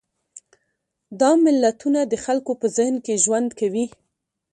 دا ملتونه د خلکو په ذهن کې ژوند کوي.